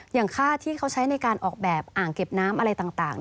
อย่างค่าที่เขาใช้ในการออกแบบอ่างเก็บน้ำอะไรต่าง